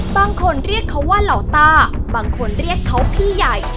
บางคนเรียกเขาว่าเหล่าต้าบางคนเรียกเขาพี่ใหญ่